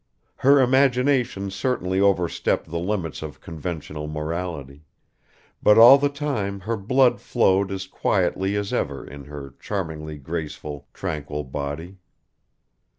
Her imagination certainly overstepped the limits of conventional morality, but all the time her blood flowed as quietly as ever in her charmingly graceful, tranquil body.